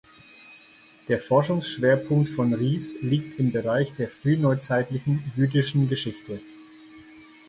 Der Forschungsschwerpunkt von Ries liegt im Bereich der frühneuzeitlichen jüdischen Geschichte.